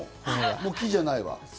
木じゃないわ！